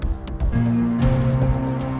ya ada tiga orang